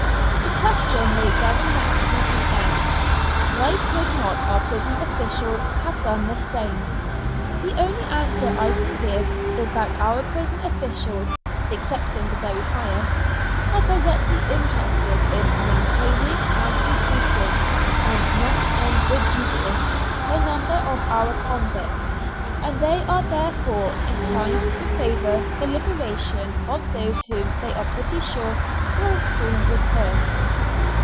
The question may very naturally be asked Why could not our prison officials have done the same? The only answer I can give is that our prison officials (excepting the very highest) are directly interested in maintaining and increasing, and not in reducing, the number of our convicts, and they are therefore inclined to favour the liberation of those whom they are pretty sure will soon return.